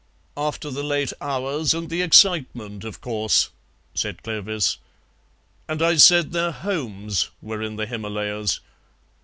"After the late hours and the excitement, of course," said Clovis; "and I said their HOMES were in the Himalayas.